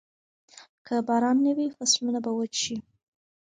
که باران نه وي، فصلونه به وچ شي.